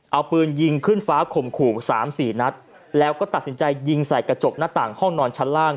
เอาปืนยิงขึ้นฟ้าข่มขู่สามสี่นัดแล้วก็ตัดสินใจยิงใส่กระจกหน้าต่างห้องนอนชั้นล่าง